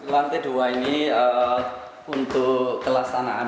lantai dua ini untuk kelas anak anak